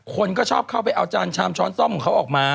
คนก็ชอบเข้าไปเอาจานชามช้อนซ่อมเหรอ